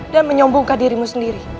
dan menyombongkan dirimu sendiri